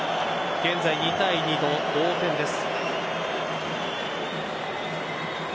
現在２対２と同点です。